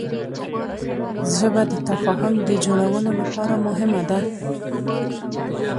ژبه د تفاهم د جوړولو لپاره مهمه ده